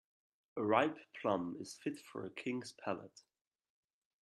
A ripe plum is fit for a king's palate.